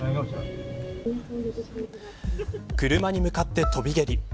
車に向かって跳び蹴り。